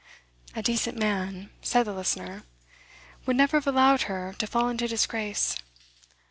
'A decent man,' said the listener, 'would never have allowed her to fall into disgrace.